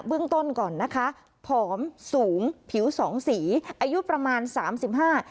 เรื่องต้นก่อนนะคะผอมสูงผิวสองสีอายุประมาณสามสิบห้า